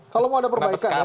kalau mau ada perbaikan